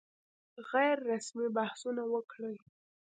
غیر رسمي بحثونه وکړي.